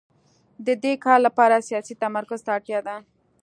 د دې کار لپاره سیاسي تمرکز ته اړتیا ده